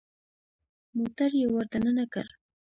موټر يې ور دننه کړ.